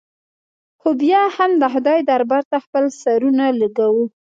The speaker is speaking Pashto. خو بیا هم د خدای دربار ته خپل سرونه لږوو.